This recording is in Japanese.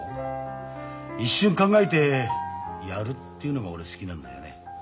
一瞬考えてやるっていうのが俺好きなんだよね。